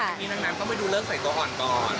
นี่นางนามเข้าไปดูเลิกใส่ตัวอ่อนก่อน